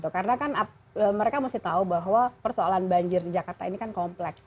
karena kan mereka mesti tahu bahwa persoalan banjir di jakarta ini kan kompleks